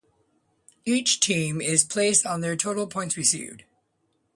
Each team is placed on their total points received.